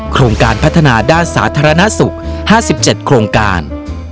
โครงการพัฒนาด้านสาธารณสุข๕๗โครงการ